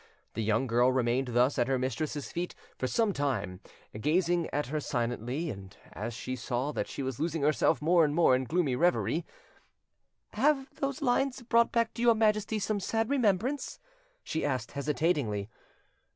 The young girl remained thus at her mistress's feet for some time, gazing at her silently, and as she saw that she was losing herself more and more in gloomy reverie— "Have those lines brought back to your Majesty some sad remembrance?" she asked hesitatingly.